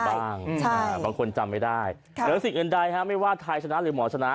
บางคนจำไม่ได้เหนือสิ่งอื่นใดไม่ว่าใครชนะหรือหมอชนะ